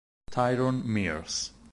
Tyrone Mears